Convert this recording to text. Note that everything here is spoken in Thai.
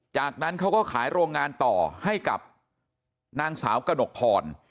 จากนั้นเขาก็ขายโรงงานต่อให้กับนางสาวกระหนกพร